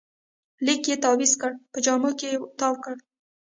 لیک یې تاویز کړ، په جامو کې تاوکړ